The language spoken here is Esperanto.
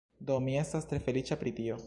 Do, mi estas tre feliĉa pri tio